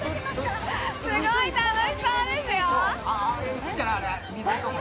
すごい楽しそうですよ。